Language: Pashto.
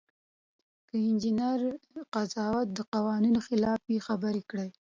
که د انجینر قضاوت د قوانینو خلاف وي خبره یې کړئ.